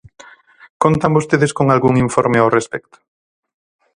¿Contan vostedes con algún informe ao respecto?